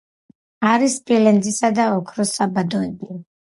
არის სპილენძისა და ოქროს საბადოები.